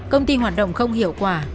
công ty hoạt động không hiệu quả